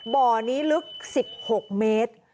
บ่อนี้ลึก๑๖เมตร